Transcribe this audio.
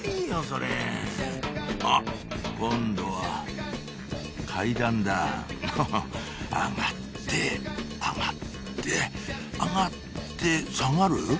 それあっ今度は階段だハハっ上がって上がって上がって下がる？